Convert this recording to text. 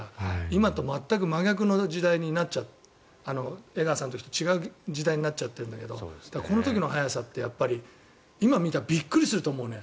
今と全く真逆の時代江川さんの時と違う時代になっちゃってるんだけどこの時の早さって今見たらびっくりすると思うね。